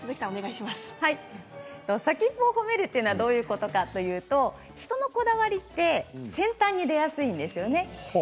先っぽを褒めるどういうことかといいますと人のこだわりって先端に出やすいんですよね。